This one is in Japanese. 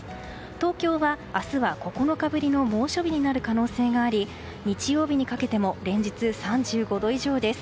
東京は明日は９日ぶりの猛暑日になる可能性があり日曜日にかけても連日３５度以上です。